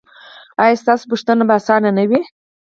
ایا ستاسو پوښتنه به اسانه نه وي؟